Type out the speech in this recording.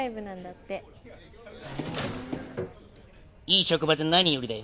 いい職場で何よりだよ。